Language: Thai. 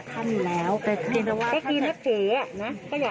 ถ้าถามว่าเดี๋ยวร้อนไหมมันก็ไม่ได้เดี๋ยวร้อน